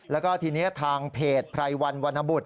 แล้วก็ทีนี้ทางเพจไพรวันวรรณบุตร